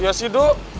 ya sih do